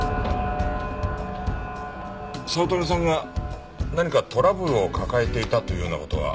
早乙女さんが何かトラブルを抱えていたというような事は？